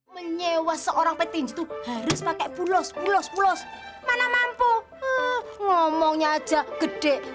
menyewa seorang peti itu harus pakai pulos pulos pulos mana mampu ngomongnya aja gede